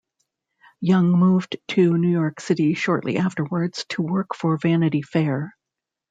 Young moved to New York City shortly afterwards to work for "Vanity Fair".